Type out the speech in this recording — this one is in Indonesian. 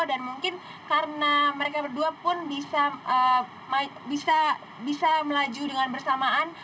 dan mungkin karena mereka berdua pun bisa melaju dengan bersamaan